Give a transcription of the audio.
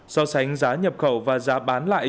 so sánh giá nhập khẩu và giá bán lại